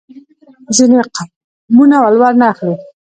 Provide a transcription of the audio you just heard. ځینې قومونه ولور نه اخلي.